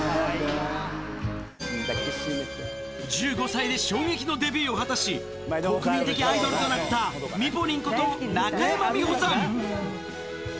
１５歳で衝撃のデビューを果たし、国民的アイドルとなった、ミポリンこと中山美穂さん。